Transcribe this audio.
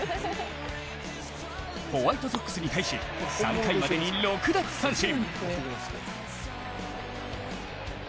ホワイトソックスに対し３回までに６奪三振。